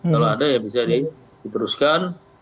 kalau ada ya bisa diteruskan